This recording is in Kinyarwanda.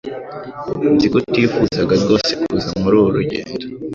Nzi ko utifuzaga rwose kuza muri uru rugendo